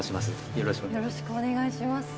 よろしくお願いします。